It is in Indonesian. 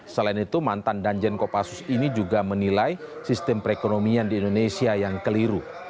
selain itu mantan danjen kopassus ini juga menilai sistem perekonomian di indonesia yang keliru